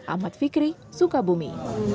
ahmad fikri sukabumi